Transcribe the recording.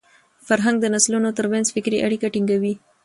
فرهنګ د نسلونو تر منځ فکري اړیکه ټینګوي.